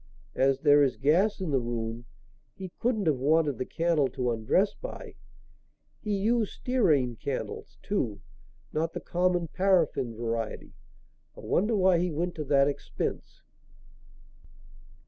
As there is gas in the room, he couldn't have wanted the candle to undress by. He used stearine candles, too; not the common paraffin variety. I wonder why he went to that expense."